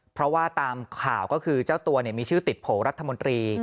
เพราะว่าตามข่าวก็คือเจ้าตัวมีชื่อติดโผล่รัฐมนตรี